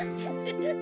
フフフ。